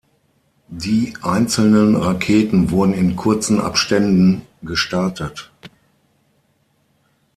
Die einzelnen Raketen wurden in kurzen Abständen gestartet.